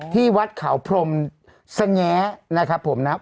ที่วัดเขาพรมแสหนี๊ยนะครับผมนะ